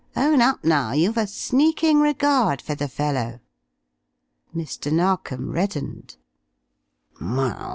Own up now; you've a sneaking regard for the fellow!" Mr. Narkom reddened.